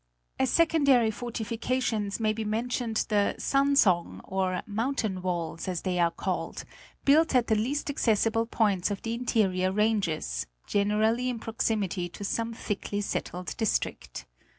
? As secondary fortifications may be mentioned the San séng, or mountain walls, as they are called, built at the least accessible points of the interior ranges, generally in 'proximity to some thickly settled district.